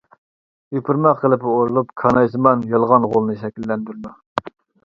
يوپۇرماق غىلىپى ئورىلىپ كانايسىمان يالغان غولنى شەكىللەندۈرىدۇ.